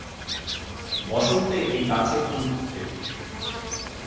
বসন্তে এ গাছে ফুল ফোটে।